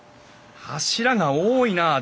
柱が多いなあ